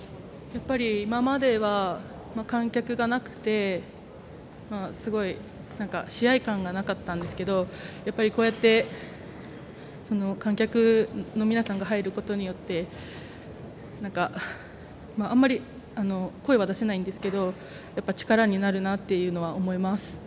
今までは観客がいなくて試合感がなかったんですけどやっぱりこうやって観客の皆さんが入ることによってあまり声は出せないんですけどやっぱ力になるなとは思います。